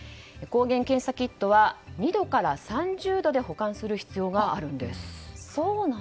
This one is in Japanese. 抗原検査キットは２度から３０度で保管する必要があるんです。